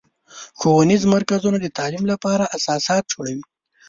ښوونیز مرکزونه د تعلیم لپاره اساسات جوړوي.